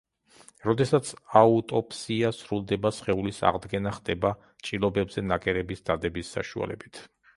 როდესაც აუტოპსია სრულდება სხეულის აღდგენა ხდება ჭრილობებზე ნაკერების დადების საშუალებით.